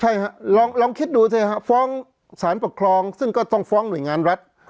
ใช่ฮะลองคิดดูสิฮะฟ้องสารปกครองซึ่งก็ต้องฟ้องหน่วยงานรัฐ